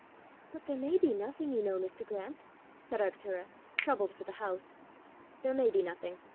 "But there may be nothing, you know, Mr. Grant!" said Arctura, troubled for the house. "There may be nothing.